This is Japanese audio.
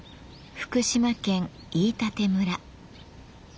福島県飯舘村。